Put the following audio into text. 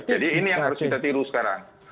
jadi ini yang harus kita tiru sekarang